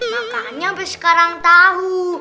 makanya sampai sekarang tahu